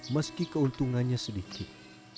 meski keuntungannya sedikit